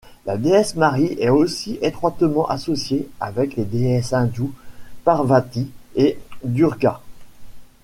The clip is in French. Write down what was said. La déesse Māri est aussi étroitement associée avec les déesses hindoues Parvati et Durga.